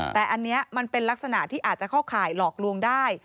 แต่อันนี้มันเป็นลักษณะที่อาจจะเข้าข่ายหลอกลวงได้